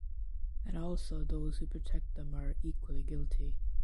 And also those who protect them are equally guilty.